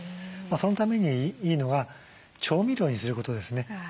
そのためにいいのが調味料にすることですね。